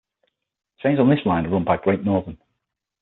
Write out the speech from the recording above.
Trains on this line are run by Great Northern.